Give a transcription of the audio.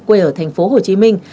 quê ở thành phố hồ chí minh